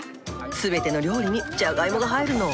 全ての料理にじゃがいもが入るの。